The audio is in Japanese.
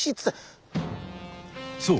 そう。